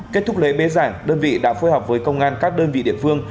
kết thúc lễ bế giảng đơn vị đã phối hợp với công an các đơn vị địa phương